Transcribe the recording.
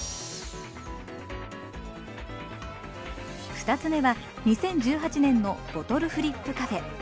２つ目は２０１８年の「ボトルフリップ・カフェ」。